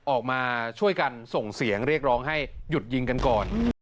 ออกมาช่วยกันส่งเสียงเรียกร้องให้หยุดยิงกันก่อน